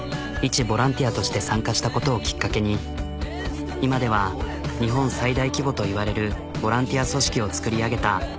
いちボランティアとして参加したことをきっかけに今では日本最大規模といわれるボランティア組織を作り上げた。